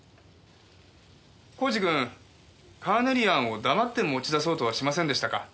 耕治君カーネリアンを黙って持ち出そうとはしませんでしたか？